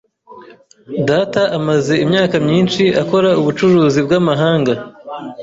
Data amaze imyaka myinshi akora ubucuruzi bw’amahanga.